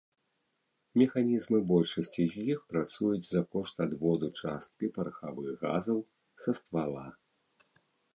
Механізмы большасці з іх працуюць за кошт адводу часткі парахавых газаў са ствала.